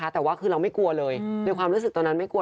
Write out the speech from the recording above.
แต่ว่าคือเราไม่กลัวเลยในความรู้สึกตอนนั้นไม่กลัว